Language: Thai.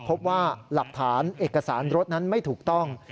พบว่าหลักฐานเอกสารรถนั้นไม่ถูกต้อง